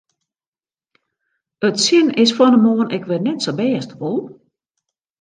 It sin is fan 'e moarn ek wer net sa bêst, wol?